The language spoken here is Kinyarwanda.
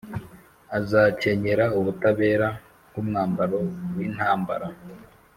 Azakenyera ubutabera nk’umwambaro w’intambara,